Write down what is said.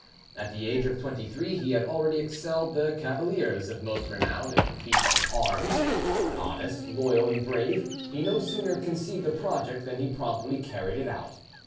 At the age of twenty three he had already excelled the cavaliers of most renown in feats of arms; honest, loyal, and brave, he no sooner conceived a project than he promptly carried it out.